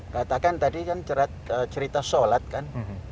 katakan tadi kan cerita sholat kan